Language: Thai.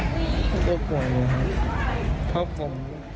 ก็โกรธเลยครับครับผม